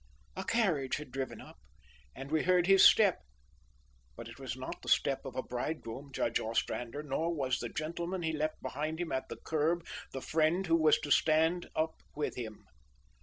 "A carriage had driven up; and we heard his step; but it was not the step of a bridegroom, Judge Ostrander, nor was the gentleman he left behind him at the kerb, the friend who was to stand up with him.